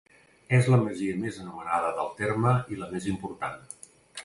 És la masia més anomenada del terme i la més important.